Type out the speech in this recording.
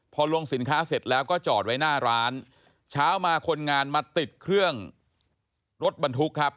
พอลงสินค้าเสร็จแล้วก็จอดไว้หน้าร้านเช้ามาคนงานมาติดเครื่องรถบรรทุกครับ